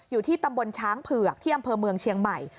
อยู่ที่ตำบลช้างเผือกที่อำเภอเมืองเชียงใหม่